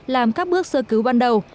làm các bước sơ cứu ban đầu